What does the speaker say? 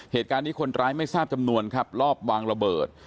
เหตุการณ์นี้คนร้ายไม่ทราบจำนวนครับรอบวางระเบิด